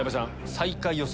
最下位予想。